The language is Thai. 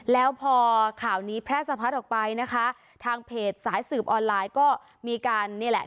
แล้วพอข่าวนี้แพร่สะพัดออกไปนะคะทางเพจสายสืบออนไลน์ก็มีการนี่แหละ